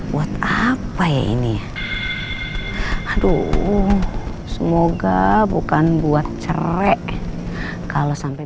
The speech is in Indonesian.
buat apa ya ini aduh semoga bukan buat cerai kalau sampai